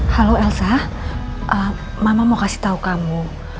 halo elsa mama mau kasih tahu kamu